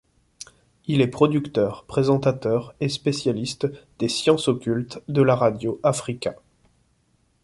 Il est producteur, présentateur et spécialiste des sciences occultes de la radio Africa.